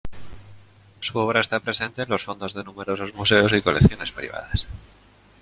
Su obra está presente en los fondos de numerosos museos y colecciones privadas.